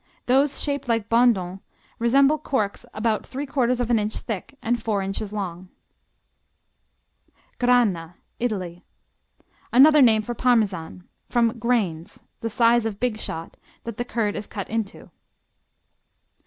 Those shaped like Bondons resemble corks about 3/4 of an inch thick and four inches long. Grana Italy Another name for Parmesan. From "grains", the size of big shot, that the curd is cut into.